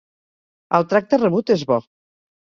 El tracte rebut és bo.